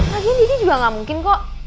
lagian didi juga gak mungkin kok